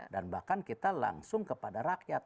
dan bahkan kita langsung kepada rakyat